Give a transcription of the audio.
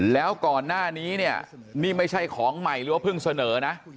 แล้วก่อนหน้านี้เนี่ยนี่ไม่ใช่ของใหม่หรือว่าเพิ่งเสนอนะ